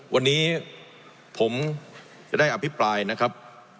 วันนี้ผมจะได้อภิปรายนะครับ